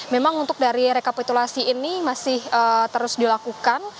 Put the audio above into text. memang untuk dari rekapitulasi ini masih terus dilakukan